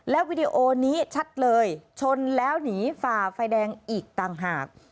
วิดีโอนี้ชัดเลยชนแล้วหนีฝ่าไฟแดงอีกต่างหาก